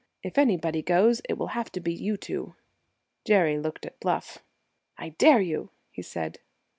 If anybody goes, it will have to be you two." Jerry looked at Bluff. "I dare you!" he said.